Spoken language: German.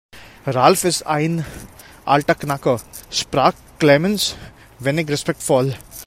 Ralf ist ein alter Knacker, sprach Clemens wenig respektvoll.